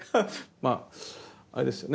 まああれですよね